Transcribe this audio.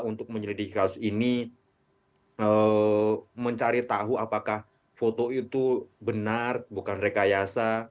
untuk menyelidiki kasus ini mencari tahu apakah foto itu benar bukan rekayasa